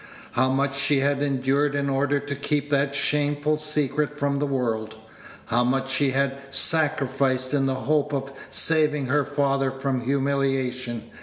How much she had endured in order to keep that shameful secret from the world! How much she had sacrificed in the hope of saving her father from humiliation!